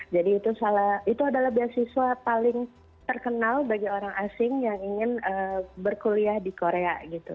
jadi itu adalah beasiswa paling terkenal bagi orang asing yang ingin berkuliah di korea gitu